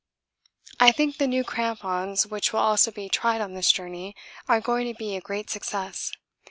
I think the new crampons, which will also be tried on this journey, are going to be a great success.